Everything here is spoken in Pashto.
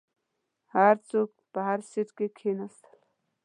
هر څوک په هر سیټ کښیناستل.